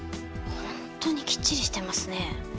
本当にきっちりしてますね。